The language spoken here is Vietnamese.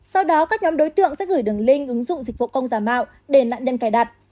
sau đó các nhóm đối tượng sẽ gửi đường link ứng dụng dịch vụ công giả mạo để nạn nhân cài đặt